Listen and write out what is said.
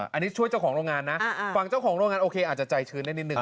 อันนี้ช่วยเจ้าของโรงงานนะฝั่งเจ้าของโรงงานโอเคอาจจะใจชื้นได้นิดนึง